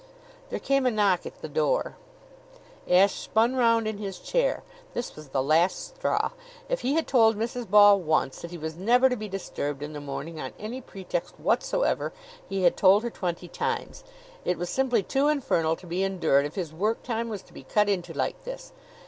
There came a knock at the door. Ashe spun round in his chair. This was the last straw! If he had told Mrs. Ball once that he was never to be disturbed in the morning on any pretext whatsoever, he had told her twenty times. It was simply too infernal to be endured if his work time was to be cut into like this.